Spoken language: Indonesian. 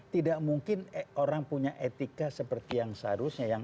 tidak mungkin orang punya etika seperti yang seharusnya